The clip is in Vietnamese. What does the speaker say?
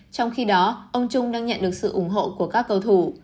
trong khi đó ông trung đang nhận được sự ủng hộ của các cầu thủ